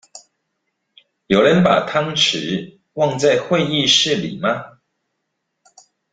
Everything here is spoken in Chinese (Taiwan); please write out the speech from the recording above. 有人把湯匙忘在會議室裡嗎？